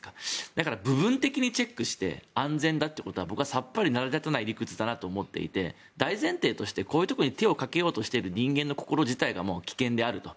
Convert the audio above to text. だから、部分的にチェックして安全だということは僕はさっぱり成り立たない理屈だと思っていて大前提としてこういうことに手をかけようとしている人間の心自体がもう危険であると。